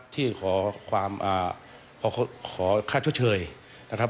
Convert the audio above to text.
ที่ขอความขอค่าเชิดเชยนะครับ